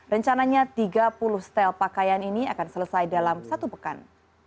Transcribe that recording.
rencananya tiga puluh stel pakaian ini akan selesai dalam satu pekan